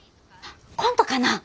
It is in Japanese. コントかな？